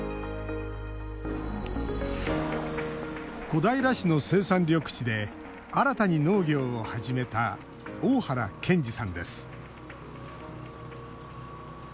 小平市の生産緑地で新たに農業を始めた大原賢士さんです。